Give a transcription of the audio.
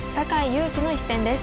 佑規の一戦です。